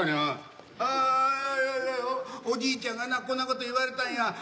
おじいちゃんがなこんなこと言われたんや。